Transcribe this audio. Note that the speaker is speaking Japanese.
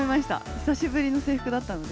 久しぶりの制服だったので。